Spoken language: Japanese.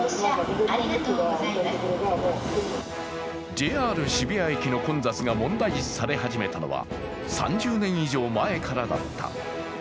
ＪＲ渋谷駅の混雑が問題視され始めたのは３０年以上前からだった。